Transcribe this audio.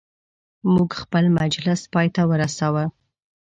موږ خپل مجلس پایته ورساوه.